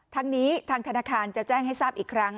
ทางนี้ทางธนาคารจะแจ้งให้ทราบอีกครั้ง